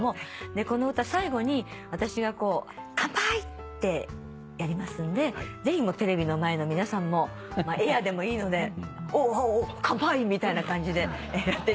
この歌最後に私が乾杯！ってやりますんでぜひテレビの前の皆さんもエアーでもいいので「おお乾杯！」みたいな感じでやっていただけたら。